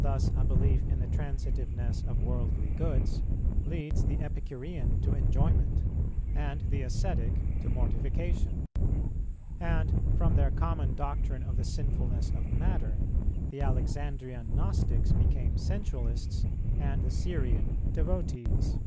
Thus a belief in the transitiveness of worldly goods leads the Epicurean to enjoyment, and the ascetic to mortification; and, from their common doctrine of the sinfulness of matter, the Alexandrian Gnostics became sensualists, and the Syrian devotees.